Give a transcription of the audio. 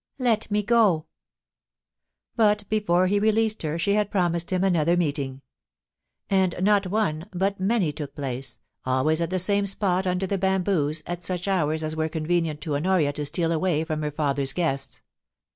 Let me go !' But before he released her she had promised him another meeting. And not one, but many took place, always at the same spot under the bamboos, at such hours as were convenient to Honoria to steal away from her father's guests.